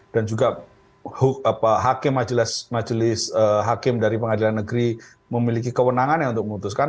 dan juga hakim dari pengadilan negeri memiliki kewenangan yang untuk memutuskan